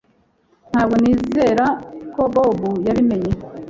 Ntabwo nizera ko Bobo yabimenye